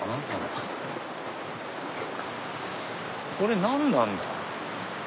これ何なんだ？